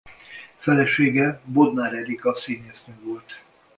Felesége Bodnár Erika színésznő volt.